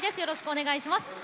お願いします。